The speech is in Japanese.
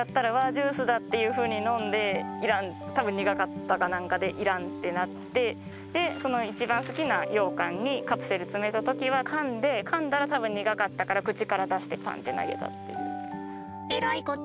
ジュースだっていうふうに飲んで、要らん多分苦かったか何かで要らんってなってで、一番好きなようかんにカプセル詰めた時は、かんでかんだら多分苦かったから口から出してパンッて投げたという。